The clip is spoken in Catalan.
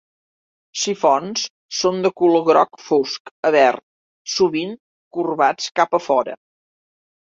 Sifons són de color groc fosc a verd sovint corbats cap a fora.